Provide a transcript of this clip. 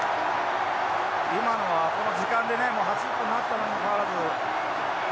今のは時間でねもう８０分になったのにもかかわらず。